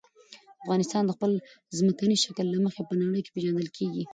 افغانستان د خپل ځمکني شکل له مخې په نړۍ کې پېژندل کېږي.